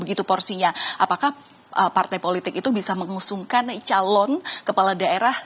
apakah partai politik itu bisa mengusungkan calon kepala daerah